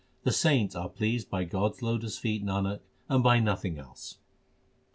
The saints are pleased by God s lotus feet, Nanak, and by nothing else.